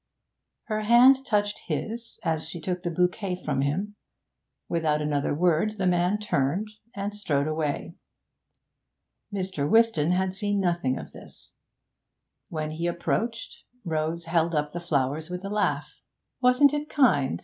Her hand touched his as she took the bouquet from him. Without another word the man turned and strode away. Mr. Whiston had seen nothing of this. When he approached, Rose held up the flowers with a laugh. 'Wasn't it kind?